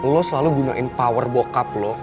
lo selalu gunain power bokap lo